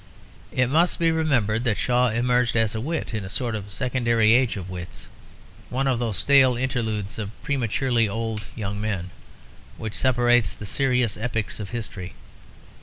It must be remembered that Shaw emerged as a wit in a sort of secondary age of wits; one of those stale interludes of prematurely old young men, which separate the serious epochs of history.